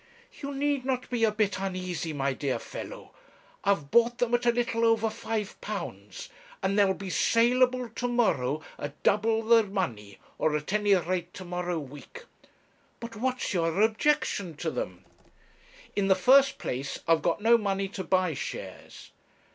'You need not be a bit uneasy, my dear fellow. I've bought them at a little over £5, and they'll be saleable to morrow at double the money or at any rate to morrow week. But what's your objection to them?' 'In the first place, I've got no money to buy shares.'